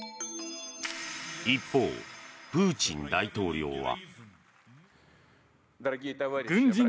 一方、プーチン大統領は。